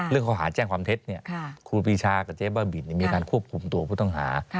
ข้อหาแจ้งความเท็จครูปีชากับเจ๊บ้าบินมีการควบคุมตัวผู้ต้องหา